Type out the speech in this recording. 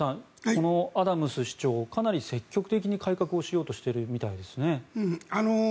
このアダムス市長かなり積極的に改革しようとしているみたいですね。